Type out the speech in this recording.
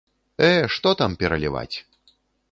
Э, што там пераліваць!